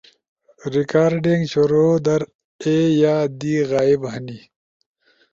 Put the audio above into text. ریکارڈنگ شروع در اے یا دی غیب ہنی۔